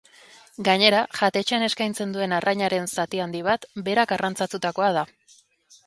Gainera, jatetxean eskaintzen duen arrainaren zati handi bat berak arrantzatutakoa da.